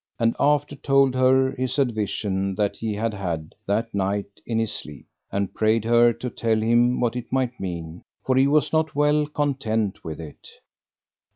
And after told her his advision that he had had that night in his sleep, and prayed her to tell him what it might mean, for he was not well content with it.